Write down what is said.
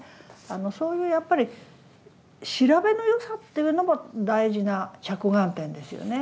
そういうやっぱり調べのよさっていうのも大事な着眼点ですよね。